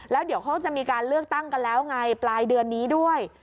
แล้วเดี๋ยวเขาจะมีการเลือกตั้งกันแล้วไงปลายเดือนนี้ด้วย